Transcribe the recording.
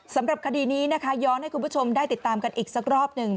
สำหรับคดีนี้นะคะย้อนให้คุณผู้ชมได้ติดตามกันอีกสักรอบหนึ่ง